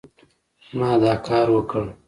ما دا کار وکړ